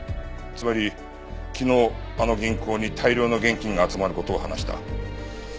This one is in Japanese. つまり昨日あの銀行に大量の現金が集まる事を話した。